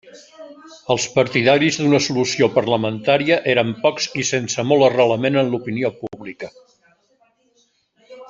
Els partidaris d'una solució parlamentària eren pocs i sense molt arrelament en l'opinió pública.